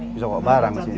bisa bawa barang di sini